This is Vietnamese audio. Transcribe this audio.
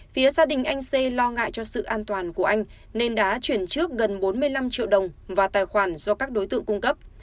phía gia đình anh xê lo ngại cho sự an toàn của anh nên đã chuyển trước gần bốn mươi năm triệu đồng vào tài khoản do các đối tượng cung cấp